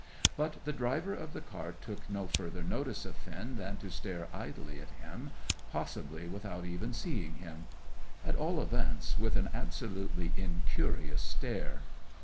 But the driver of the cart took no further notice of Finn than to stare idly at him, possibly without even seeing him; at all events with an absolutely incurious stare.